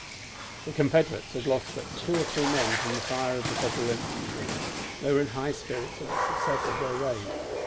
The Confederates had lost but two or three men from the fire of the Federal infantry, and they were in high spirits at the success of their raid.